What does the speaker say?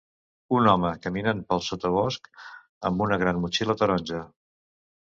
Un home caminant pel sotabosc amb una gran motxilla taronja.